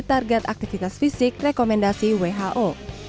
target aktivitas fisik rekomendasi who